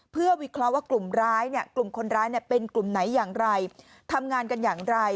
เพื่อวิเคราะห์ว่ากลุ่มร้ายเนี่ยกลุ่มคนร้ายเป็นกลุ่มไหนอย่างไรทำงานกันอย่างไร